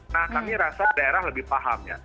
nah kami rasa daerah lebih paham ya